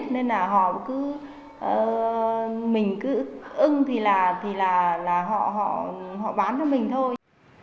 nên là họ cứ mình cứ ưng thì là họ bán cho mình thôi